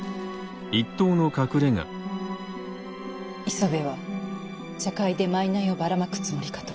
磯部は茶会で賄をばらまくつもりかと。